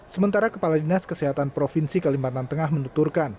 sementara kepala dinas kesehatan provinsi kalimantan tengah menuturkan